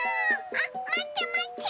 あっまってまって！